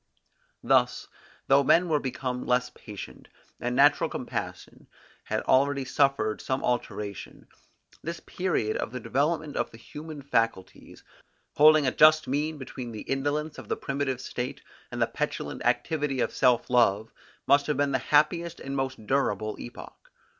Thus, though men were become less patient, and natural compassion had already suffered some alteration, this period of the development of the human faculties, holding a just mean between the indolence of the primitive state, and the petulant activity of self love, must have been the happiest and most durable epoch.